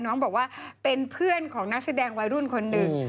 น้องบอกว่าเป็นเพื่อนของนักแสดงวัยรุ่นคนหนึ่ง